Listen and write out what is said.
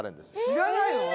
知らないの？